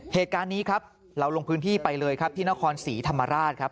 เหตุการณ์นี้ครับเราลงพื้นที่ไปเลยครับที่นครศรีธรรมราชครับ